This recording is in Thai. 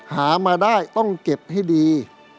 หามาได้ต้องเก็บให้ดี